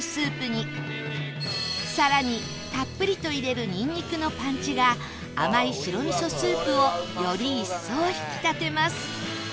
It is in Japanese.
更にたっぷりと入れるニンニクのパンチが甘い白味噌スープをより一層引き立てます